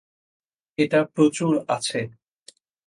এটা প্রচুর আছে।